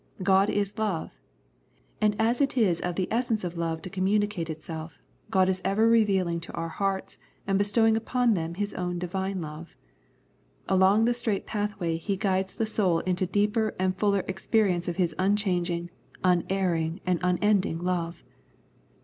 " God is love," and as it is of the essence of love to communicate itself, God is ever revealing to our hearts and bestowing upon them His own Divine love. Along the straight pathway He guides the soul into deeper and fuller experience of His unchanging, unerring, and unending love.